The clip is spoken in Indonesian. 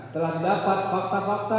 telah mendapat fakta fakta